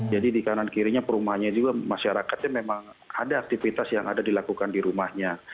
jadi di kanan kirinya perumahannya juga masyarakatnya memang ada aktivitas yang ada dilakukan di rumahnya